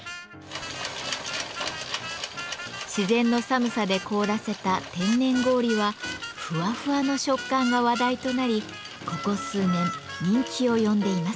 自然の寒さで凍らせた天然氷はふわふわの食感が話題となりここ数年人気を呼んでいます。